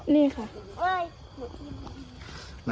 นี่ค่ะ